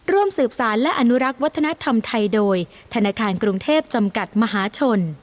ร่วมสืบสารและอนุรักษ์วัฒนธรรมไทยโดยธนาคารกรุงเทพจำกัดมหาชน